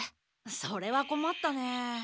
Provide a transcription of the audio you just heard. それはこまったね。